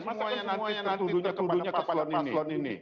semuanya nanti tertuduhnya kepala paslon ini